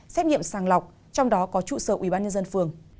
xét nghiệm sàng lọc trong đó có trụ sở ubnd phường